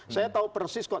saya tahu persis kok